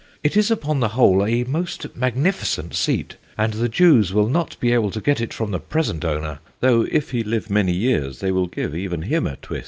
It is, upon the whole, a most magnificent seat, and the Jews will not be able to get it from the present owner, though if he live many years they will give even him a twist."